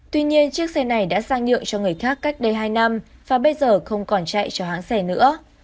tuy nhiên chiếc xe này đã sang nhượng cho người khác cách đây hai năm và bây giờ không còn chạy cho hãng xe nữa